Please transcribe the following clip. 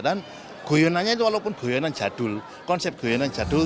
dan goyonannya itu walaupun goyonan jadul konsep goyonan jadul